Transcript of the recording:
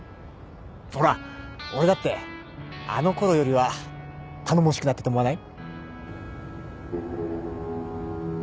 ほら俺だってあのころよりは頼もしくなったと思わない？